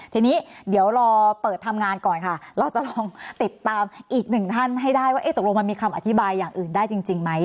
ทีนี้เดี๋ยวรอเปิดทำงานก่อนค่ะเราจะลองติดตามอีกหนึ่งท่านให้ได้ว่าตกลงมันมีคำอธิบายอย่างอื่นได้จริงไหม